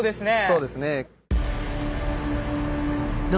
そうですね。